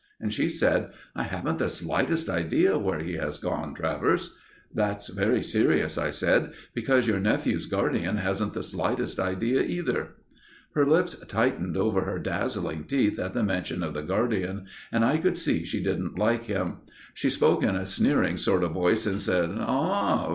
And she said: "I haven't the slightest idea where he has gone, Travers." "That's very serious," I said, "because your nephew's guardian hasn't the slightest idea, either." Her lips tightened over her dazzling teeth at the mention of the guardian, and I could see she didn't like him. She spoke in a sneering sort of voice and said: "Ah!